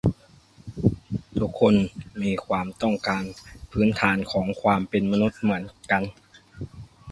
ทุกคนมีความต้องการพื้นฐานของความเป็นมนุษย์เหมือนกัน